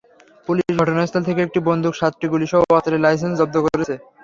Police ঘটনাস্থল থেকে একটি বন্দুক, সাতটি গুলিসহ অস্ত্রের লাইসেন্স জব্দ করেছে।